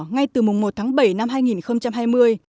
ngay từ mùng một tháng bảy năm hai nghìn hai mươi